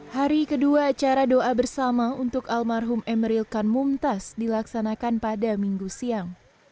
hari kedua acara doa bersama untuk almarhum emeril kan mumtaz dilaksanakan pada minggu siang